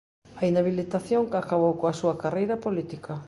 A inhabilitación acabou coa súa carreira política.